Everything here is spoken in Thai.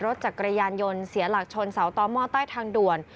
รถจักรยานยนต์เสียหลักชนเสาต่อหม้อใต้ทางด่วน